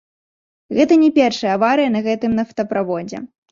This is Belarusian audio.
Гэта не першая аварыя на гэтым нафтаправодзе.